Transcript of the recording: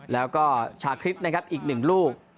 แล้วก็ชาคริปนะครับอีก๑ลูก